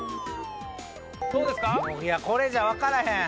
いやこれじゃわからへん。